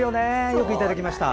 よくいただきました。